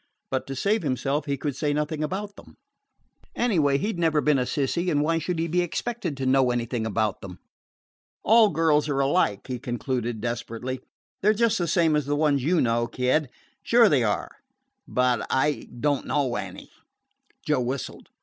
But, to save himself, he could say nothing about them. Anyway, he 'd never been a "sissy," and why should he be expected to know anything about them? "All girls are alike," he concluded desperately. "They 're just the same as the ones you know, Kid sure they are." "But I don't know any." Joe whistled.